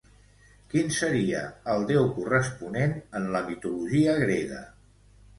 Quin seria el déu corresponent en la mitologia grega?